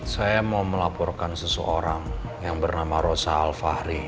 saya mau melaporkan seseorang yang bernama rosa alfahri